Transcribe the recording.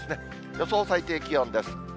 予想最低気温です。